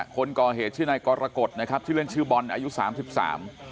คนก่อเหตุชื่อนายกรกฎนะครับชื่อเล่นชื่อบอลอายุสามสิบสาม